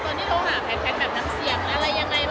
ตอนที่เราหาแพทด์แพทด์แบบน้ำเสียบ